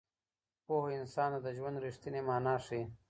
پوهه انسان ته د ژوند رښتينې مانا ښيي.